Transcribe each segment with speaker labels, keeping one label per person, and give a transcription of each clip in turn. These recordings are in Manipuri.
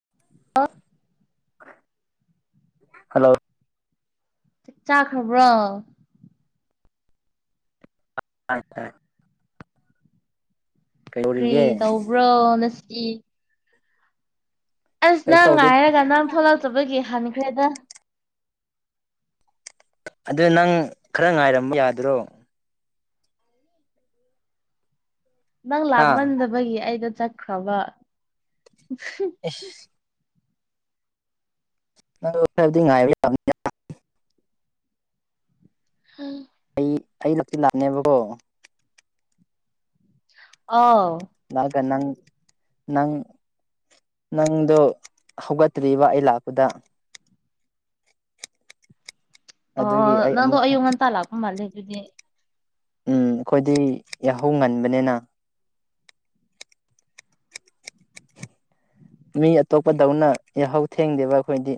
Speaker 1: [inaudible]
Speaker 2: ꯍꯜꯂꯣ
Speaker 1: ꯆꯥꯛ ꯆꯥꯈ꯭ꯔꯕ꯭ꯔꯣ
Speaker 2: ꯆꯥꯈ꯭ꯔꯦ
Speaker 1: ꯀ꯭ꯔꯤ
Speaker 2: ꯀꯩꯗꯧꯔꯤꯒꯦ
Speaker 1: ꯇꯧꯕ꯭ꯔꯣ ꯉꯁꯤ ꯑꯁ
Speaker 2: ꯀꯩꯁꯨ
Speaker 1: ꯅꯪ
Speaker 2: ꯇꯧꯗꯦ
Speaker 1: ꯉꯥꯏꯔꯒ ꯅꯪ ꯊꯣꯛꯂꯛꯇꯕꯒꯤ ꯍꯟꯈ꯭ꯔꯦꯗ
Speaker 2: ꯑꯗꯨ ꯅꯪ ꯈꯔ ꯉꯥꯏꯔꯝꯕ ꯌꯥꯗ꯭ꯔꯣ
Speaker 1: ꯅꯪ
Speaker 2: ꯍꯥ
Speaker 1: ꯂꯥꯛꯃꯟꯗꯕꯒꯤ ꯑꯩꯗꯣ ꯆꯠꯈ꯭ꯔꯕ
Speaker 2: ꯏꯁ ꯅꯪꯗꯣ ꯈꯔꯗꯤ ꯉꯥꯏꯕ [unintelligible]
Speaker 1: [unintelligible]
Speaker 2: ꯑꯩ ꯑꯩ ꯂꯛꯇꯤ ꯂꯥꯛꯅꯦꯕꯀꯣ
Speaker 1: ꯑꯥꯎ
Speaker 2: ꯂꯥꯛꯑꯒ ꯅꯪ ꯅꯪ ꯅꯪꯗꯣ ꯍꯧꯒꯠꯇ꯭ꯔꯤꯕ ꯑꯩ ꯂꯥꯛꯄꯗ ꯑꯗꯨꯒꯤ
Speaker 1: ꯑꯣ
Speaker 2: ꯑꯩ
Speaker 1: ꯅꯪꯗꯣ
Speaker 2: ꯑꯃꯨꯛ
Speaker 1: ꯑꯌꯨꯛ ꯉꯟꯇꯥ ꯂꯥꯛꯄ ꯃꯥꯜꯂꯦ ꯑꯗꯨꯗꯤ
Speaker 2: ꯎꯝ ꯑꯈꯣꯏꯗꯤ ꯌꯥꯍꯧ ꯉꯟꯕꯅꯤꯅ ꯃꯤ ꯑꯇꯣꯞꯄꯗꯧꯅ ꯌꯥꯍꯧ ꯊꯦꯡꯗꯦꯕ ꯑꯈꯣꯏꯗꯤ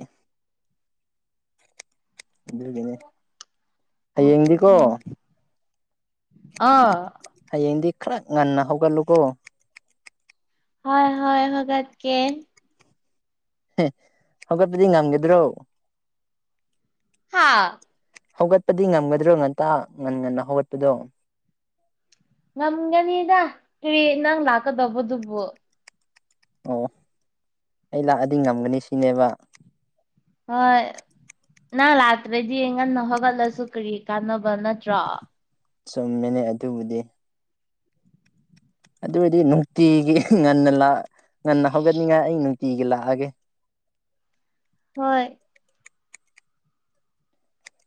Speaker 2: ꯑꯗꯨꯒꯤꯅꯦ
Speaker 1: ꯑꯣ
Speaker 2: ꯍꯌꯦꯡꯗꯤꯀꯣ
Speaker 1: ꯑꯣ ꯑꯥ
Speaker 2: ꯈꯥꯔ ꯉꯟꯅ ꯍꯧꯒꯠꯂꯨꯀꯣ
Speaker 1: ꯍꯣꯏ ꯍꯣꯏ ꯍꯧꯒꯠꯀꯦ
Speaker 2: ꯍꯧꯒꯠꯄꯗꯤ ꯉꯝꯒꯗ꯭ꯔꯣ
Speaker 1: ꯍꯥꯥ
Speaker 2: ꯍꯧꯒꯠꯄꯗꯤ ꯉꯝꯒꯗ꯭ꯔꯣ ꯉꯟꯇ ꯉꯟ ꯉꯟꯅ ꯍꯧꯒꯠꯄꯗꯣ
Speaker 1: ꯉꯝꯒꯅꯤꯗ ꯀꯔꯤ ꯅꯪ ꯂꯥꯛꯀꯗꯧꯕꯗꯨꯕꯨ
Speaker 2: ꯑꯣ ꯑꯩ ꯂꯥꯛꯑꯗꯤ ꯉꯝꯒꯅꯤ ꯁꯤꯅꯦꯕ
Speaker 1: ꯍꯣꯏ ꯅꯪ ꯂꯥꯛꯇ꯭ꯔꯗꯤ ꯉꯟꯅ ꯍꯧꯒꯠꯂꯁꯨ ꯀꯔꯤ ꯀꯥꯟꯅꯕ [unintelligible] ꯅꯠꯇ꯭ꯔꯥ
Speaker 2: ꯆꯨꯝꯃꯦꯅꯦ ꯑꯗꯨꯕꯨꯗꯤ ꯑꯗꯨ ꯑꯣꯏꯔꯗꯤ ꯅꯨꯡꯇꯤꯒꯤ ꯍꯝ ꯉꯟꯅ ꯂꯥꯛ ꯉꯟꯅ ꯍꯧꯒꯠꯅꯤꯡꯉꯥꯏ ꯑꯩ ꯇꯤꯒꯤ ꯂꯥꯛꯑꯒꯦ
Speaker 1: ꯍꯣꯏ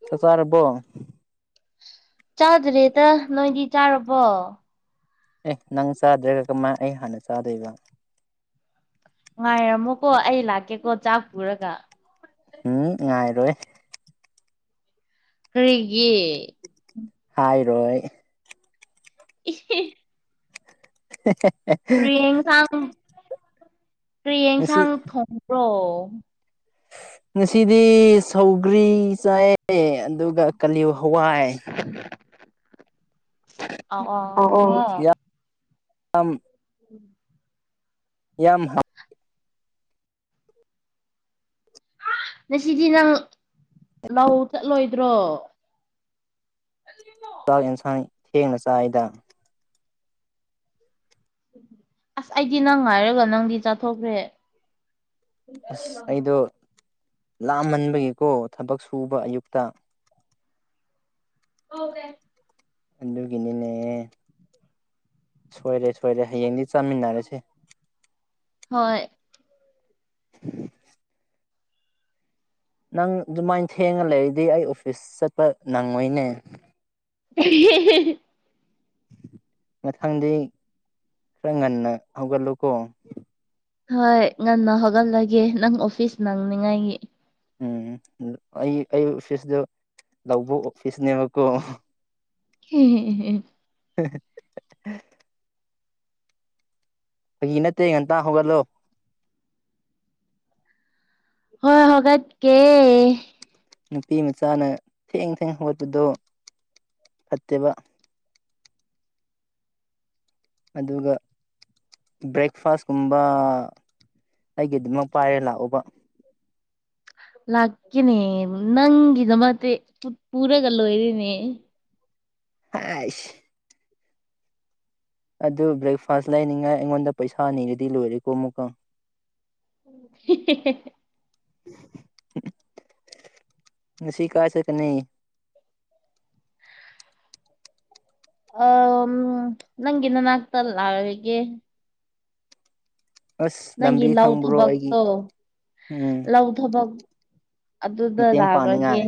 Speaker 2: ꯆꯥꯛ ꯆꯥꯔꯕꯣ
Speaker 1: ꯆꯥꯗ꯭ꯔꯤꯗ ꯅꯣꯏꯗꯤ ꯆꯥꯔꯕꯣ
Speaker 2: ꯑꯦ ꯅꯪ ꯆꯥꯗ꯭ꯔꯦꯒ ꯀꯃꯥꯏꯅ ꯑꯩ ꯍꯥꯟꯅ ꯆꯥꯗꯣꯏꯕ
Speaker 1: ꯉꯥꯏꯔꯝꯃꯣꯀꯣ ꯑꯩ ꯂꯥꯛꯀꯦꯀꯣ ꯆꯥꯛ ꯄꯨꯔꯒ
Speaker 2: ꯎꯝ ꯉꯥꯏꯔꯣꯢ
Speaker 1: ꯀ꯭ꯔꯤꯒꯤ
Speaker 2: ꯍꯥꯏꯔꯣꯏ
Speaker 1: ꯏꯍꯦ
Speaker 2: ꯑꯦꯍꯦꯍꯦ
Speaker 1: ꯀꯔꯤ ꯑꯤꯟꯁꯥꯡ ꯀ꯭ꯔꯤ
Speaker 2: ꯉꯁꯤ
Speaker 1: ꯏꯟꯁꯥꯡ ꯊꯣꯡꯕ꯭ꯔꯣ
Speaker 2: ꯉꯁꯤꯗꯤ ꯁꯧꯒ꯭ꯔꯤ ꯆꯥꯏꯌꯦ ꯑꯗꯨꯒ ꯀꯥꯂꯤ ꯍꯋꯥꯏ
Speaker 1: ꯑꯋꯣ ꯑꯋꯣ ꯑꯋꯣ
Speaker 2: ꯑꯝ
Speaker 1: ꯎꯝ
Speaker 2: ꯌꯥꯝ ꯍꯞ
Speaker 1: ꯉꯁꯤꯗꯤ ꯅꯪ ꯂꯧ ꯆꯠꯂꯣꯏꯗ꯭ꯔꯣ ꯑꯗꯨꯒꯤꯝ
Speaker 2: ꯆꯥꯛ ꯌꯦꯟꯁꯥꯡ ꯊꯦꯡꯅ ꯆꯥꯏꯌꯦꯗ
Speaker 1: ꯑꯁ ꯑꯩꯗꯤ ꯅꯪ ꯉꯥꯏꯔꯒ ꯅꯪꯗꯤ ꯆꯥꯊꯣꯛꯈ꯭ꯔꯦ
Speaker 2: ꯑꯁ ꯑꯩꯗꯣ
Speaker 1: [unintelligible]
Speaker 2: ꯂꯥꯝꯃꯟꯕꯒꯤꯀꯣ ꯊꯕꯛ ꯁꯨꯕ ꯑꯌꯨꯛꯇ
Speaker 1: ꯍꯧꯇꯦ
Speaker 2: ꯑꯗꯨꯒꯤꯅꯤꯅꯦ ꯁꯣꯏꯔꯦ ꯁꯣꯏꯔꯦ ꯍꯌꯦꯡꯗꯤ ꯆꯥꯃꯤꯟꯅꯔꯁꯤ
Speaker 1: ꯍꯣꯏ
Speaker 2: [inaudible] ꯅꯪ ꯑꯗꯨꯃꯥꯏꯅ ꯊꯦꯡꯉ ꯂꯩꯔꯗꯤ ꯑꯩ ꯑꯣꯐꯤꯁ ꯆꯠꯄ ꯅꯪꯉꯣꯏꯅꯦ
Speaker 1: ꯑꯦꯍꯦꯍꯦꯍꯦ
Speaker 2: ꯃꯊꯪꯗꯤ ꯈꯔ ꯉꯟꯅ ꯍꯧꯒꯠꯂꯨꯀꯣ
Speaker 1: ꯍꯣꯏ ꯉꯟꯅ ꯍꯧꯒꯠꯂꯒꯦ ꯅꯪ ꯑꯣꯐꯤꯁ ꯅꯪꯅꯤꯉꯥꯏꯒꯤ
Speaker 2: ꯎꯝ ꯑꯩ ꯑꯩ ꯑꯣꯐꯤꯁꯇꯣ ꯂꯧꯕꯨꯛ ꯑꯣꯐꯤꯁꯅꯦꯕꯀꯣ
Speaker 1: ꯍꯦꯍꯦꯍꯦ
Speaker 2: ꯍꯦꯍꯦꯍꯦꯍꯦ ꯐꯒꯤ ꯅꯠꯇꯦ ꯉꯟꯇꯥ ꯍꯧꯒꯠꯂꯣ
Speaker 1: ꯍꯣꯏ ꯍꯧꯒꯠꯀꯦ
Speaker 2: ꯅꯨꯄꯤ ꯃꯆꯥꯅ ꯊꯦꯡ ꯊꯦꯡꯅ ꯍꯧꯒꯠꯄꯗꯣ ꯐꯠꯇꯦꯕ ꯑꯗꯨꯒ ꯕ꯭ꯔꯦꯛꯐꯥꯁꯀꯨꯝꯕ ꯑꯩꯒꯤꯗꯃꯛ ꯄꯥꯏꯔ ꯂꯥꯛꯎꯕ
Speaker 1: [inaudible] ꯂꯥꯛꯀꯦꯅꯦ ꯅꯪꯒꯤꯗꯃꯛꯇꯤ ꯄꯨꯔꯒ ꯂꯣꯏꯔꯦꯅꯦ
Speaker 2: ꯍꯩꯁ ꯑꯗꯨ ꯕ꯭ꯔꯦꯛꯐꯥꯁ ꯂꯩꯅꯤꯡꯉꯥꯏ ꯑꯩꯉꯣꯟꯗ ꯄꯩꯁꯥ ꯅꯤꯔꯗꯤ ꯂꯣꯏꯔꯦꯀꯣ ꯑꯃꯨꯛꯀ
Speaker 1: ꯍꯦ ꯍꯦ ꯍꯦ
Speaker 2: ꯉꯁꯤ ꯀꯥꯏ ꯆꯠꯀꯅꯤ
Speaker 1: ꯑ ꯑꯝ ꯅꯪꯒꯤ ꯅꯅꯥꯛꯇ ꯂꯥꯛꯔꯒꯦ
Speaker 2: ꯑꯁ
Speaker 1: ꯅꯪꯒꯤ
Speaker 2: ꯂꯝꯕꯤ
Speaker 1: ꯂꯧ
Speaker 2: ꯈꯪꯕ꯭ꯔꯣ ꯑꯩꯒꯤ
Speaker 1: ꯊꯕꯛꯇꯣ
Speaker 2: ꯎꯝ
Speaker 1: ꯂꯧ ꯊꯕꯛ ꯑꯗꯨꯗ
Speaker 2: ꯃꯇꯦꯡ
Speaker 1: ꯂꯥꯛꯔꯒꯦ
Speaker 2: ꯄꯥꯡꯅꯤꯡꯉꯥꯏ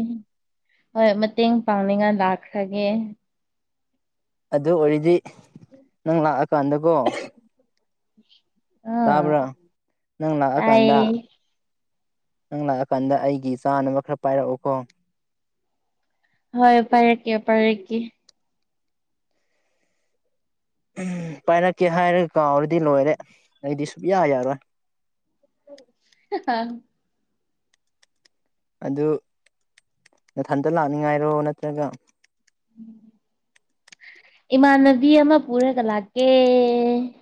Speaker 1: ꯍꯣꯏ ꯃꯇꯦꯡ ꯄꯥꯡꯅꯤꯡꯉꯥꯏ ꯂꯥꯛꯈ꯭ꯔꯒꯦ
Speaker 2: ꯑꯗꯨ ꯑꯣꯏꯔꯗꯤ ꯅꯪ ꯂꯥꯛꯑꯀꯥꯟꯗꯀꯣ
Speaker 1: ꯑꯥ
Speaker 2: ꯇꯥꯕ꯭ꯔꯥ ꯅꯪ ꯂꯥꯛꯑꯀꯥꯟꯗ
Speaker 1: ꯇꯥꯏꯌꯦ
Speaker 2: ꯅꯪ ꯂꯥꯛꯑꯀꯥꯟꯗ ꯑꯩꯒꯤ ꯆꯥꯅꯕ ꯈꯔ ꯄꯥꯏꯔꯛꯎꯀꯣ
Speaker 1: ꯍꯣꯏ ꯄꯥꯏꯔꯛꯀꯦ ꯄꯥꯏꯔꯛꯀꯦ
Speaker 2: ꯍꯝ ꯄꯥꯏꯔꯛꯀꯦ ꯍꯥꯏꯔꯒ ꯀꯥꯎꯔꯗꯤ ꯂꯣꯏꯔꯦ ꯑꯩꯗꯤ ꯁꯨꯌꯥ ꯌꯥꯔꯣꯏ
Speaker 1: ꯍ ꯑꯥ
Speaker 2: ꯑꯗꯨ ꯅꯊꯟꯇ ꯂꯥꯛꯅꯤꯡꯉꯥꯏꯔꯣ ꯅꯠꯇ꯭ꯔꯒ
Speaker 1: ꯏꯃꯥꯟꯅꯕꯤ ꯑꯃ ꯄꯨꯔꯒ ꯂꯥꯛꯀꯦ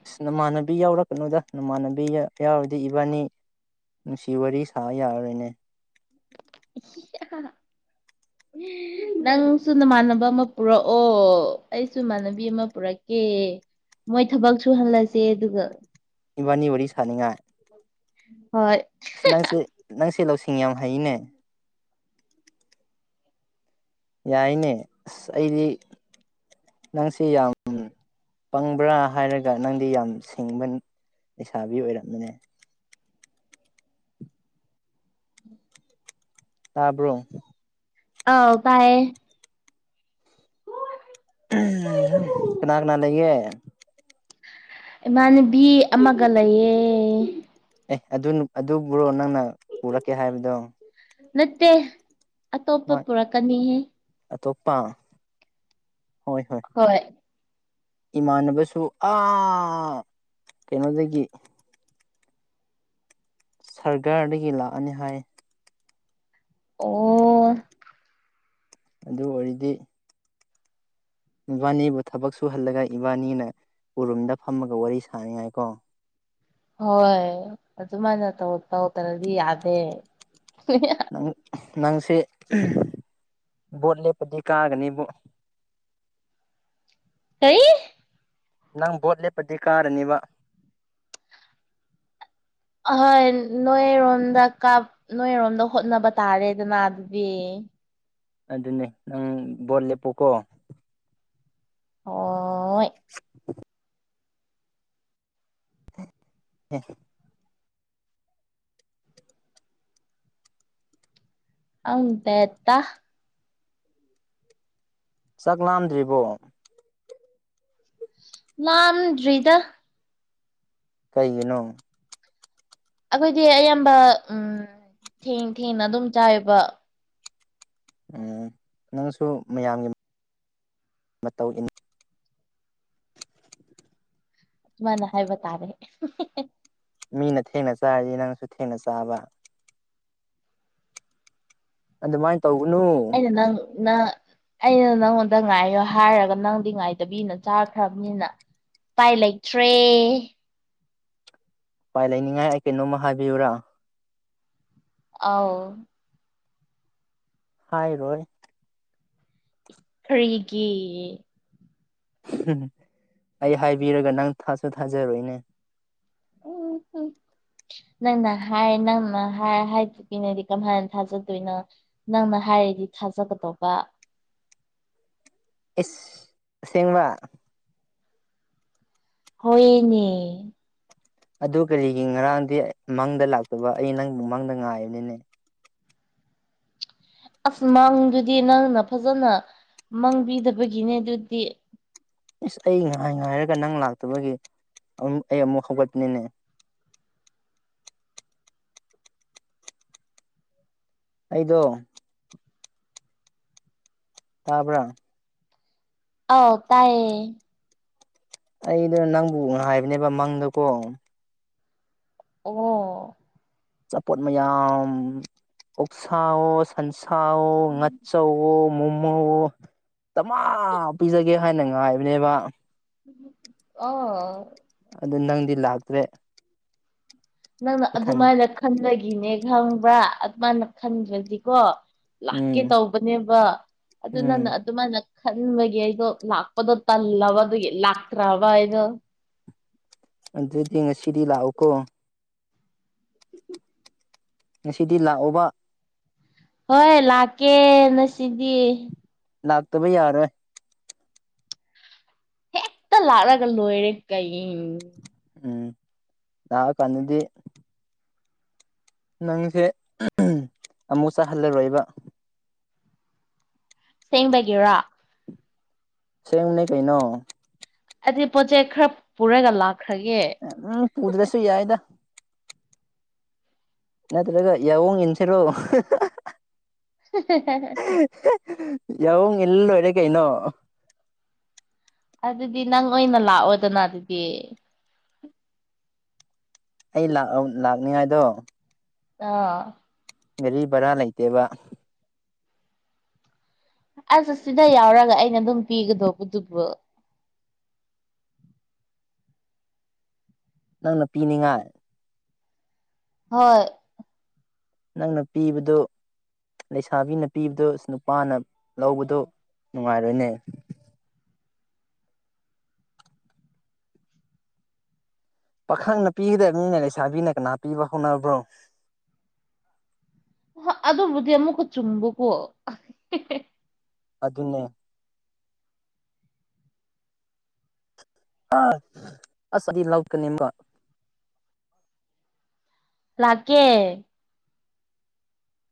Speaker 2: ꯑꯁ ꯅꯃꯥꯟꯅꯕꯤ ꯌꯥꯎꯔꯛꯀꯅꯨꯗ ꯅꯃꯥꯟꯅꯕꯤꯒ ꯌꯥꯎꯔꯗꯤ ꯏꯕꯥꯅꯤ ꯅꯨꯡꯁꯤ ꯋꯥꯔꯤ ꯁꯥ ꯌꯥꯔꯔꯣꯏꯅꯦ
Speaker 1: ꯏꯍꯤ ꯍꯥꯍꯥ ꯅꯪꯁꯨ ꯅꯃꯥꯟꯅꯕ ꯑꯃ ꯄꯨꯔꯛꯑꯣ ꯑꯩꯁꯨ ꯏꯃꯥꯟꯅꯕꯤ ꯑꯃ ꯄꯨꯔꯛꯀꯦ ꯑꯦ ꯃꯣꯏ ꯊꯕꯛ ꯁꯨꯍꯜꯂꯁꯦ ꯑꯗꯨꯒ
Speaker 2: ꯏꯕꯥꯅꯤ ꯋꯥꯔꯤ ꯁꯥꯅꯤꯡꯉꯥꯏ
Speaker 1: ꯍꯣꯏ
Speaker 2: ꯑꯁ ꯅꯪꯁꯦ ꯅꯪꯁꯦ ꯂꯧꯁꯤꯡ ꯌꯥꯝ ꯍꯩꯅꯦ ꯌꯥꯏꯅꯦ ꯑꯁ ꯑꯩꯗꯤ ꯅꯪꯁꯦ ꯌꯥꯝ ꯄꯪꯕ꯭ꯔꯥ ꯍꯥꯏꯔꯒ ꯅꯪꯗꯤ ꯌꯥꯝ ꯁꯤꯡꯕꯅꯤ ꯂꯩꯁꯥꯕꯤ ꯑꯣꯏꯔꯝꯃꯤꯅꯦ ꯇꯥꯕ꯭ꯔꯣ
Speaker 1: ꯑꯧ ꯇꯥꯏꯌꯦ
Speaker 2: ꯎꯝꯍꯝ ꯀꯅꯥ ꯀꯅꯥ ꯂꯩꯒꯦ
Speaker 1: ꯏꯃꯥꯟꯅꯕꯤ ꯑꯃꯒ ꯂꯩꯌꯦ
Speaker 2: ꯑꯦ ꯑꯗꯨ ꯑꯗꯨꯕꯨꯔꯣ ꯅꯪꯅ ꯄꯨꯔꯛꯀꯦ ꯍꯥꯏꯕꯗꯣ
Speaker 1: ꯅꯠꯇꯦ ꯑꯇꯣꯞꯄ ꯄꯨꯔꯛꯀꯅꯤꯍꯦ
Speaker 2: ꯄꯥꯝ
Speaker 1: ꯍꯣꯏ
Speaker 2: ꯏꯃꯥꯟꯅꯕꯁꯨ ꯑꯥ ꯀꯩꯅꯣꯗꯒꯤ ꯁ꯭ꯔꯒꯔꯗꯒꯤ ꯂꯥꯛꯑꯅꯤ ꯍꯥꯏ
Speaker 1: ꯑꯣ
Speaker 2: ꯑꯗꯨ ꯑꯣꯏꯔꯗꯤ ꯃꯕꯥꯅꯤꯕꯨ ꯊꯕꯛ ꯁꯨꯍꯜꯂꯒ ꯏꯕꯥꯅꯤꯅ ꯎꯔꯨꯝꯗ ꯐꯝꯃꯒ ꯋꯥꯔꯤ ꯁꯥꯅꯤꯡꯉꯥꯏꯀꯣ
Speaker 1: ꯍꯣꯏ ꯑꯗꯨꯃꯥꯏꯅ ꯇꯧ ꯇꯧꯗꯔꯗꯤ ꯌꯥꯗꯦ
Speaker 2: ꯅꯪ ꯅꯪꯁꯦ ꯕꯣꯠ ꯂꯦꯞꯄꯗꯤ ꯀꯥꯒꯅꯤꯕꯨ
Speaker 1: ꯀꯔꯤ
Speaker 2: ꯅꯪ ꯚꯣꯠ ꯂꯦꯞꯄꯗꯤ ꯀꯥꯔꯅꯤꯕ
Speaker 1: ꯑꯍꯣꯏ ꯅꯣꯏꯔꯣꯝꯗ ꯀꯞ ꯅꯣꯏꯔꯣꯝꯗ ꯍꯣꯠꯅꯕ ꯇꯥꯔꯦꯗꯅ ꯑꯗꯨꯗꯤ
Speaker 2: ꯑꯗꯨꯅꯦ ꯅꯪ ꯕꯣꯠ ꯂꯦꯞꯄꯨꯀꯣ
Speaker 1: ꯍꯣꯏ
Speaker 2: ꯑꯦꯍꯦ
Speaker 1: ꯈꯪꯗꯦꯇ
Speaker 2: ꯆꯥꯛ ꯂꯥꯝꯗ꯭ꯔꯤꯕꯣ
Speaker 1: ꯂꯥꯝꯗ꯭ꯔꯤꯗ
Speaker 2: ꯀꯩꯒꯤꯅꯣ
Speaker 1: ꯑꯈꯣꯏꯗꯤ ꯑꯌꯥꯝꯕ ꯎꯝ ꯊꯦꯡ ꯊꯦꯡꯅ ꯑꯗꯨꯝ ꯆꯥꯏꯑꯦꯕ
Speaker 2: ꯎꯝ ꯅꯪꯁꯨ ꯃꯌꯥꯝꯒꯤ ꯃꯇꯧ ꯏꯟ
Speaker 1: ꯗꯨꯃꯥꯏꯅ ꯍꯥꯕꯏ ꯇꯥꯔꯦ
Speaker 2: ꯃꯤꯅ ꯊꯦꯡꯅ ꯆꯥꯔꯗꯤ ꯅꯪꯁꯨ ꯊꯦꯡꯅ ꯆꯥꯕ ꯑꯗꯨꯃꯥꯏꯅ ꯇꯧꯒꯅꯨ
Speaker 1: ꯅ ꯑꯩꯅ ꯅꯪꯉꯣꯟꯗ ꯉꯥꯏꯌꯣ ꯍꯥꯏꯔꯒ ꯅꯪꯗꯤ ꯉꯥꯏꯗꯕꯤꯅ ꯆꯥꯈ꯭ꯔꯕꯅꯤꯅ ꯎꯄꯥꯏ ꯂꯩꯇ꯭ꯔꯦ
Speaker 2: ꯎꯄꯥꯏ ꯂꯩꯅꯤꯡꯉꯥꯏ ꯑꯩ ꯀꯩꯅꯣꯝꯃ ꯍꯥꯏꯕꯤꯌꯨꯨꯔꯥ
Speaker 1: ꯑꯧ
Speaker 2: ꯍꯥꯏꯔꯣꯏ
Speaker 1: ꯀꯔꯤꯒꯤ
Speaker 2: ꯑꯩ ꯍꯥꯏꯕꯤꯔꯒ ꯅꯪ ꯊꯥꯁꯨ ꯊꯥꯖꯔꯣꯏꯅꯦ
Speaker 1: [unintelligible] ꯅꯪꯅ ꯍꯥꯏ ꯅꯪꯅ ꯍꯥꯏ ꯍꯥꯏꯗꯤ [unintelligible] ꯀꯝꯍꯥꯏꯅ ꯊꯥꯖꯗꯣꯏꯅꯣ ꯅꯪꯅ ꯍꯥꯏꯔꯗꯤ ꯊꯥꯖꯒꯗꯧꯕ
Speaker 2: ꯏꯁ ꯑꯁꯦꯡꯕ
Speaker 1: ꯍꯣꯏꯅꯦ
Speaker 2: ꯑꯗꯨ ꯀꯔꯤꯒꯤ ꯉꯔꯥꯡꯗꯤ ꯃꯪꯗ ꯂꯥꯛꯇꯕ ꯑꯩ ꯅꯪ ꯃꯪꯗ ꯉꯥꯏꯕꯅꯤꯅꯦ
Speaker 1: ꯑꯁ ꯃꯪꯗꯨꯗꯤ ꯅꯪꯅ ꯐꯖꯅ ꯃꯪꯕꯤꯗꯕꯒꯤꯅꯦ ꯗꯨꯗꯤ
Speaker 2: ꯏꯁ ꯑꯩ ꯅꯍꯥꯟ ꯉꯥꯏꯔꯒ ꯅꯪ ꯂꯥꯛꯇꯕꯒꯤ ꯑꯃꯨꯛ ꯑꯩ ꯑꯃꯨꯛ ꯍꯧꯒꯠꯄꯅꯤꯅꯦ
Speaker 1: [inaudible]
Speaker 2: ꯑꯩꯗꯣ ꯇꯥꯕ꯭ꯔꯥ
Speaker 1: ꯑꯧ ꯇꯥꯏꯌꯦ
Speaker 2: ꯑꯩꯗꯣ ꯅꯪꯕꯨ ꯉꯥꯏꯕꯅꯦꯕ ꯃꯪꯗꯀꯣ
Speaker 1: ꯑꯣ
Speaker 2: ꯑꯆꯥꯄꯣꯠ ꯃꯌꯥꯝ ꯑꯣꯛꯁꯥꯋꯣ ꯁꯟꯁ ꯁꯥꯑꯣ ꯉꯥꯆꯧꯋꯣ ꯃꯣꯃꯣꯑꯣ ꯗꯃꯥ ꯄꯤꯖꯒꯦ ꯍꯥꯏꯅ ꯉꯥꯏꯕꯅꯦꯕ
Speaker 1: ꯑꯣ
Speaker 2: ꯑꯗꯨ ꯅꯪꯗꯤ ꯂꯥꯛꯇ꯭ꯔꯦ
Speaker 1: ꯅꯪꯅ
Speaker 2: ꯏꯊꯟ
Speaker 1: ꯑꯗꯨꯃꯥꯏꯅ ꯈꯟꯕꯒꯤꯅꯦ ꯈꯪꯕ꯭ꯔꯥ ꯑꯗꯨꯃꯥꯏꯅ ꯈꯟꯗ꯭ꯔꯗꯤꯀꯣ ꯂꯥꯛꯀꯦ
Speaker 2: ꯎꯝ
Speaker 1: ꯇꯧꯕꯅꯦꯕ ꯑꯗꯨꯅ
Speaker 2: ꯎꯝ
Speaker 1: ꯅꯪ ꯑꯗꯨꯃꯥꯏꯅ ꯈꯟꯕꯒꯤ ꯑꯩꯗꯣ ꯂꯥꯛꯄꯗꯣ ꯇꯜꯂꯕꯗꯨꯒꯤ ꯂꯥꯛꯇ꯭ꯔꯥꯕ ꯑꯩꯗꯣ
Speaker 2: ꯑꯗꯨꯗꯤ ꯉꯁꯤꯗꯤ ꯂꯥꯛꯎꯀꯣ ꯉꯁꯤꯗꯤ ꯂꯥꯛꯑꯣꯕ
Speaker 1: ꯍꯣꯏ ꯂꯥꯛꯀꯦ ꯅ ꯁꯤꯗꯤ
Speaker 2: ꯂꯥꯛꯇꯕ ꯌꯥꯔꯣꯏ
Speaker 1: ꯍꯦꯛꯇ ꯂꯥꯛꯂꯒ ꯂꯣꯏꯔꯦ ꯀꯩ
Speaker 2: ꯎꯝ ꯂꯥꯛ ꯑ ꯀꯥꯟꯗꯗꯤ ꯅꯪꯁꯦ ꯑꯃꯨꯛ ꯆꯠꯍꯜꯂꯔꯣꯏꯕ
Speaker 1: ꯊꯦꯡꯕꯒꯤꯔꯥ
Speaker 2: ꯁꯦꯡꯕꯅꯦ ꯀꯩꯅꯣ
Speaker 1: ꯑꯩꯗꯨꯗꯤ ꯄꯣꯠ ꯆꯩ ꯈꯔ ꯄꯨꯔꯒ ꯂꯥꯛ
Speaker 2: ꯎꯝ ꯄꯨꯗ꯭ꯔꯁꯨ ꯌꯥꯏꯗ ꯅꯠꯇ꯭ꯔꯒ ꯌꯥꯑꯣꯡ ꯏꯟꯁꯤꯔꯣ
Speaker 1: [inaudible]
Speaker 2: ꯌꯥꯎꯌꯣꯡ ꯏꯜꯂ ꯂꯣꯏꯔꯦ ꯀꯩꯅꯣ
Speaker 1: ꯑꯗꯨꯗꯤ ꯅꯪ ꯑꯣꯏꯅ ꯂꯥꯛꯑꯣꯗꯅ ꯑꯗꯨꯗꯤ
Speaker 2: ꯑꯩ ꯂꯥꯛ ꯂꯥꯛꯅꯤꯡꯉꯥꯏꯗꯣ
Speaker 1: ꯑꯥ
Speaker 2: ꯒꯥꯔꯤ ꯚꯔꯥ ꯂꯩꯇꯦꯕ
Speaker 1: ꯑꯁ ꯁꯤꯗ ꯌꯥꯎꯔꯒ ꯑꯩꯅ ꯑꯗꯨꯝ ꯄꯤꯒꯗꯧꯕꯗꯨꯕꯨ [inaudible]
Speaker 2: ꯅꯪꯅ ꯄꯤꯅꯤꯡꯉꯥꯏ
Speaker 1: ꯍꯣꯏ
Speaker 2: ꯅꯪꯅ ꯄꯤꯕꯗꯨ ꯂꯩꯁꯥꯕꯤꯅ ꯄꯤꯕꯗꯨ ꯅꯨꯄꯥꯅ ꯂꯧꯕꯗꯨ ꯅꯨꯡꯉꯥꯏꯔꯣꯏꯅꯦ ꯄꯥꯈꯪꯅ ꯄꯤꯒꯗꯕꯅꯤꯅ ꯂꯩꯁꯥꯕꯤꯅ ꯀꯅꯥ ꯄꯤꯕ ꯍꯣꯠꯅꯕ꯭ꯔꯣ
Speaker 1: ꯍ ꯑꯗꯨꯕꯨꯗꯤ ꯑꯃꯨꯛꯀ ꯆꯨꯝꯕꯀꯣ
Speaker 2: ꯑꯗꯨꯅꯦ ꯑꯥ ꯑꯁ ꯑꯩꯗꯤ ꯂꯧꯀꯅꯤ ꯑꯃꯨꯀ
Speaker 1: ꯂꯥꯛꯀꯦ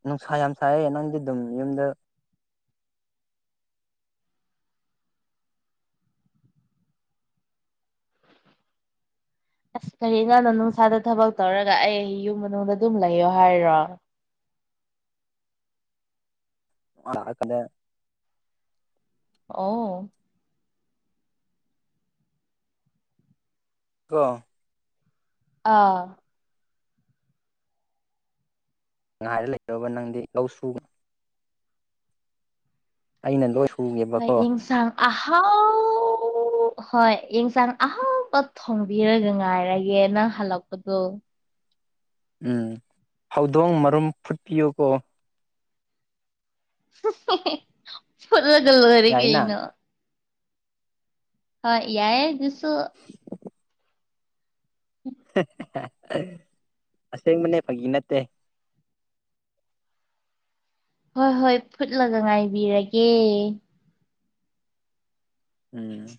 Speaker 2: ꯅꯨꯡꯁꯥ ꯌꯥꯝ ꯁꯥꯏꯌꯦ ꯅꯪꯗꯤ ꯑꯗꯨꯝ ꯌꯨꯝꯗ
Speaker 1: ꯑꯁ ꯀꯔꯤ ꯅꯣ ꯅꯨꯡꯁꯥꯗ ꯊꯕꯛ ꯇꯧꯔꯒ ꯑꯩ ꯌꯨꯝ ꯃꯅꯨꯡꯗ ꯑꯗꯨꯝ ꯂꯩꯌꯣ ꯍꯥꯏꯔꯣ
Speaker 2: ꯄꯥꯗꯂꯦ
Speaker 1: ꯑꯣ
Speaker 2: ꯀꯣ
Speaker 1: ꯑꯥ
Speaker 2: ꯉꯥꯏꯔ ꯂꯩꯗꯧꯕ ꯅꯪꯗꯤ ꯂꯧ ꯁꯨꯕ ꯑꯩꯅ ꯂꯣꯏ
Speaker 1: ꯀꯩ
Speaker 2: ꯁꯨꯒꯦꯕꯀꯣ
Speaker 1: ꯏꯪꯁꯥꯡ ꯑꯍꯥꯎ ꯍꯣꯏ ꯌꯦꯡꯁꯥꯡ ꯑꯍꯥꯎꯕ ꯊꯣꯡꯕꯤꯔꯒ ꯉꯥꯏꯔꯒꯦ ꯒꯦ ꯅꯪ ꯍꯜꯂꯛꯄꯗꯣ
Speaker 2: ꯎꯝ ꯍꯧꯗꯣꯡ ꯃꯔꯨꯝ ꯐꯨꯠꯄꯤꯌꯣꯀꯣ
Speaker 1: ꯍꯨ ꯍꯦ ꯍꯦ ꯐꯨꯠꯂꯒ ꯂꯣꯏꯔꯣ
Speaker 2: ꯌꯥꯏꯅ
Speaker 1: ꯀꯩꯅꯣ ꯍꯣꯏ ꯌꯥꯏꯌꯦ ꯑꯗꯨꯁꯨ
Speaker 2: ꯑꯁꯦꯡ ꯕꯅꯦ ꯐꯥꯒꯤ ꯅꯠꯇꯦ
Speaker 1: ꯍꯣꯏ ꯍꯣꯏ ꯐꯨꯠꯂꯒ ꯉꯥꯏꯕꯤꯔꯒꯦ
Speaker 2: ꯎꯝ